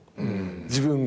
自分が。